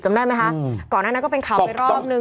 ได้ไหมคะก่อนหน้านั้นก็เป็นข่าวไปรอบนึง